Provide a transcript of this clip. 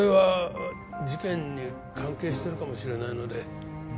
事件に関係してるかもしれないので。